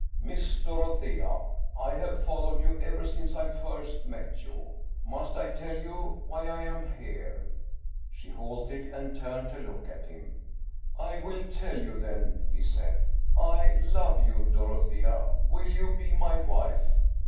" Miss Dorothea, I have followed you ever since I first met you. Must I tell you why I am here ?" She halted and turned to look at him. " I will tell you then," he said. " I love you, Dorothea ; will you be my wife